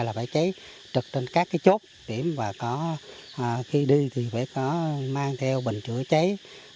là phải cháy trực trên các chốt điểm và khi đi thì phải mang theo bình chữa cháy